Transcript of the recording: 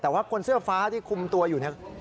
แต่ว่าคนเสื้อฟ้าที่คุมตัวอยู่เนี่ย